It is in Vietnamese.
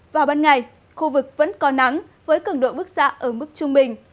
vào ban ngày khu vực vẫn còn nắng với cường độ bức xạ ở mức trung bình